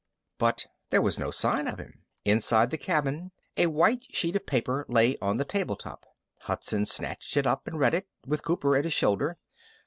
But there was no sign of him. Inside the cabin, a white sheet of paper lay on the table top. Hudson snatched it up and read it, with Cooper at his shoulder.